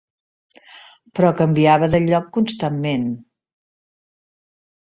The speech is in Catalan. Però canviava de lloc constantment.